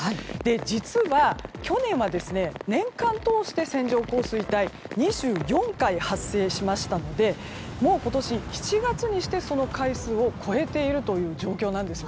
実は、去年は年間を通して線状降水帯は２４回発生しましたのでもう今年は７月にしてその回数を超えている状況です。